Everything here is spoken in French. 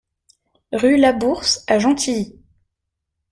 Rue Labourse à Gentilly